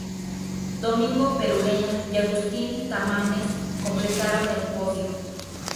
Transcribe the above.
Domingo Perurena y Agustín Tamames completaron el podio.